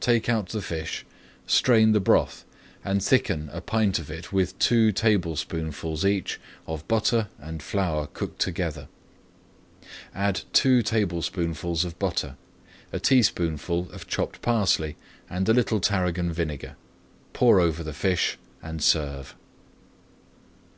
Take out the fish, strain the broth, and thicken a pint of it with two tablespoonfuls each of butter and flour cooked together. Add two tablespoonfuls of butter, a teaspoonful of chopped parsley, and a little tarragon vinegar. Pour over the fish and serve.